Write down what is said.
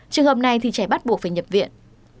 trường hợp này thì trẻ bắt buộc phải nhập viện